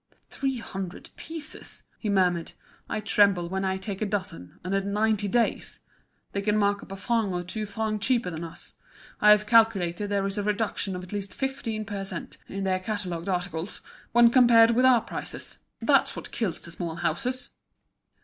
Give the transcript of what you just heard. "Three hundred pieces!" he murmured. "I tremble when I take a dozen, and at ninety days. They can mark up a franc or two francs cheaper than us. I have calculated there is a reduction of at least fifteen per cent, on their catalogued articles, when compared with our prices. That's what kills the small houses."